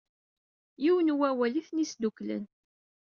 Yiwen wawal i ten-isedduklen.